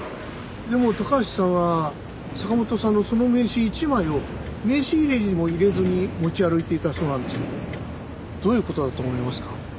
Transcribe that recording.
でも高橋さんは坂本さんのその名刺一枚を名刺入れにも入れずに持ち歩いていたそうなんですけどどういう事だと思いますか？